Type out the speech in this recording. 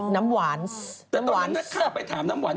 น้ำหวานซ์น้ำหวานซ์